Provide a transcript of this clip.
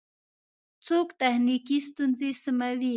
څوک تخنیکی ستونزی سموي؟